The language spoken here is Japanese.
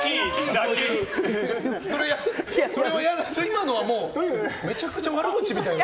今のはめちゃくちゃ悪口みたいな。